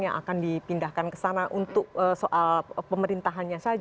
yang akan dipindahkan ke sana untuk soal pemerintahannya saja